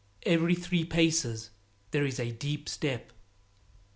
Every three paces there is a deep step.